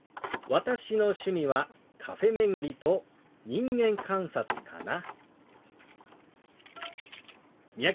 私の趣味はカフェ巡りと人間観察かな。